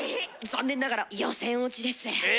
残念ながら予選落ちです。え！